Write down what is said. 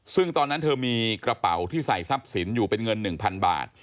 ซึ่งตอนนั้นเธอมีกระเป๋าที่ใส่ทรัพย์สินอยู่เป็นเงิน๑๐๐๐บาท